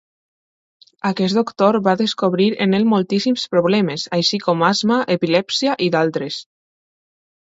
Aquest doctor va descobrir en ell moltíssims problemes, així com asma, epilèpsia i d'altres.